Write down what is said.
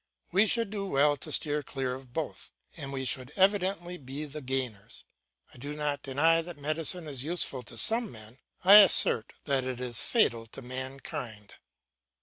We should do well to steer clear of both, and we should evidently be the gainers. I do not deny that medicine is useful to some men; I assert that it is fatal to mankind.